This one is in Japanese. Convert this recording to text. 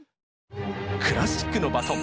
クラシックのバトン。